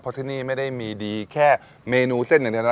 เพราะที่นี่ไม่ได้มีดีแค่เมนูเส้นอย่างเดียวนะ